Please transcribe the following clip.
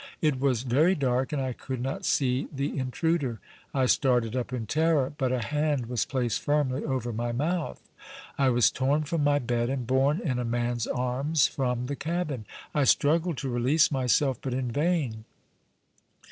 It was very dark and I could not see the intruder. I started up in terror, but a hand was placed firmly over my mouth. I was torn from my bed and borne in a man's arms from the cabin. I struggled to release myself, but in vain.